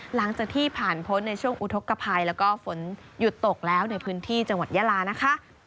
หลังจากที่ผ่านพ้นในช่วงอุทธกภัยแล้วก็ฝนหยุดตกแล้วในพื้นที่จังหวัดยาลานะคะ